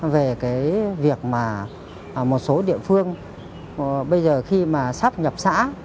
về cái việc mà một số địa phương bây giờ khi mà sắp nhập xã